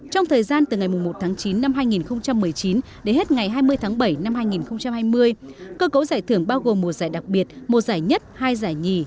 trong thời gian từ ngày một tháng chín năm hai nghìn một mươi chín đến hết ngày hai mươi tháng bảy năm hai nghìn hai mươi cơ cấu giải thưởng bao gồm một giải đặc biệt một giải nhất hai giải nhì